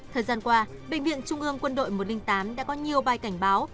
thời gian qua bệnh viện trung ương quân đội một trăm linh tám đã có nhiều bài cảnh báo